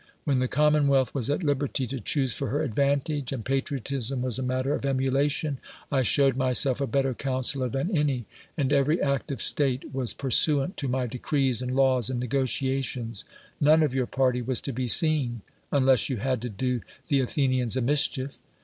AVhen the commonwealth was at lib(U ty to choose for her advantage, and patriotism was a matter of emulation, T showed myself a better (•unnscloi than any, and cxiM'y act o\' stale was THE WORLD'S FAMOUS ORATIONS pursuant to my decrees and laws and negotia tions ; none of your party was to be seen, unless you had to do the Athenians a mischief.